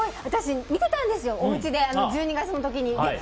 私見てたんですよ、おうちで１２月の時に。